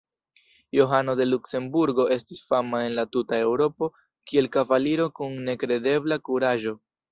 Johano de Luksemburgo estis fama en la tuta Eŭropo kiel kavaliro kun nekredebla kuraĝo.